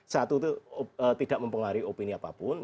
satu itu tidak mempengaruhi opini apapun